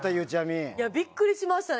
びっくりしましたね。